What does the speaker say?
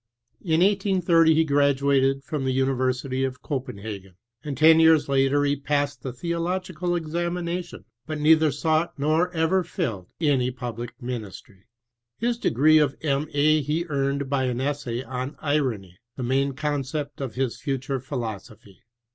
In 1880 he graduated from the University of Copenhagen, and 10 vears later he passed the theological examination, but neither sought nor ever fiUed any public nunistry. His de gree of M. A. he earned by an essay On Irony, the main concept of his future philosophy.